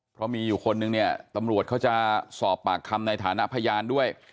เพราะมีอยู่คนนึงเนี่ยตำรวจเขาจะสอบปากคำในฐานะพยานด้วย